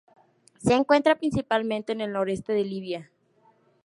Se encuentra principalmente en el noreste de Libia.